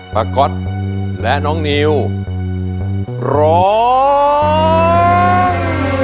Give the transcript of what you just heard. ก๊อตและน้องนิวร้อง